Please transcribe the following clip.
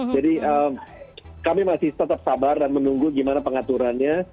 jadi kami masih tetap sabar dan menunggu gimana pengaturannya